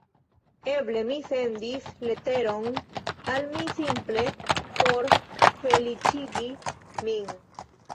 Eble mi sendis leteron al mi simple por feliĉigi min.